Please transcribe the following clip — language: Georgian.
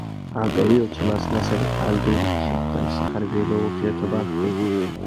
ამ პერიოდში მას ნასერ ალ-დინ შაჰთან სახარბიელო ურთიერთობა არ ჰქონია.